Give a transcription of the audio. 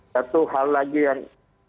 satu hal lagi yang